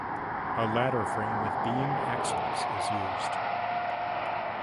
A ladder frame with beam axles is used.